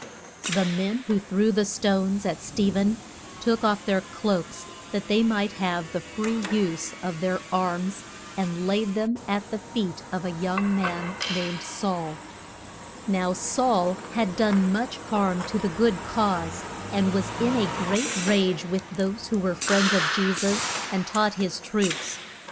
The men who threw the stones at Ste phen took off their cloaks, that they might have the free use of their arms, and laid them at the feet of a young man named Saul. [Illustration: HOU SES ON THE WALLS OF DA MAS CUS.] Now Saul had done much harm to the good cause, and was in a great rage with those who were friends of Je sus and taught his truths.